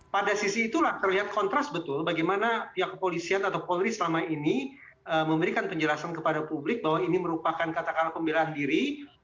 pada sisi itulah terlihat kontras betul bagaimana pihak kepolisian atau polri selama ini memberikan penjelasan kepada publik bahwa ini merupakan katakanlah pembelaan diri